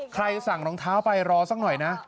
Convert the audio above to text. สั่งรองเท้าไปรอสักหน่อยนะ